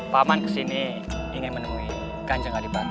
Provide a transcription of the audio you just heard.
paman kesini ingin menemui kan jangan dibangun